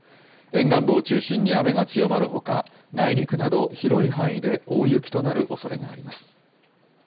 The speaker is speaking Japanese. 沿岸部を中心に雨が強まるほか内陸など広い範囲で大雪となるおそれがあります。